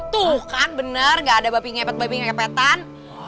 tuh kan bener gak ada babi ngepet babi ngepetan